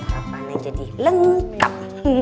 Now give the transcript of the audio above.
sarapannya jadi lengkap